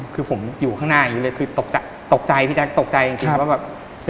คือผมอยู่ข้างหน้าอย่างนี้เลยคือตกใจพี่แจ๊คตกใจจริงว่าแบบ